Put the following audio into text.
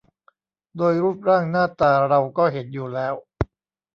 โดยรูปร่างหน้าตาเราก็เห็นอยู่แล้ว